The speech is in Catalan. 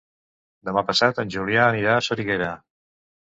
Demà passat en Julià anirà a Soriguera.